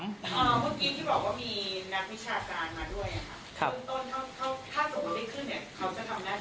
เมื่อกี้ที่บอกว่ามีนักวิชาการมาด้วย